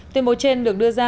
tuyên bố trên được đưa ra